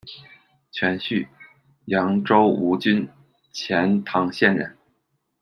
全绪，扬州吴郡钱唐县人。